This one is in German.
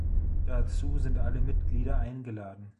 Dazu sind alle Mitglieder eingeladen.